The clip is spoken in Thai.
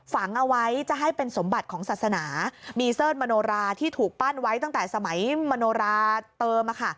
ฝังเอาไว้จะให้เป็นสมบัติของศาสนามีเสิร์ชมโนราที่ถูกปั้นไว้ตั้งแต่สมัยมโนราเติม